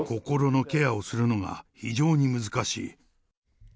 心のケアをするのが非常に難しい。